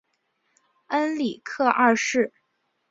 恩里克二世。